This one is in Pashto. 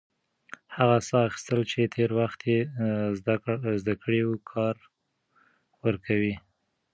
هغه ساه اخیستل چې تېر وخت يې زده کړی و، کار ورکوي.